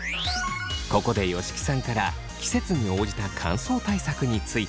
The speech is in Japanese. ここで吉木さんから季節に応じた乾燥対策について。